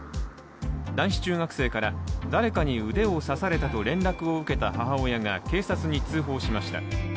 男子中学生から誰かに腕を刺されたと連絡を受けた母親が警察に通報しました。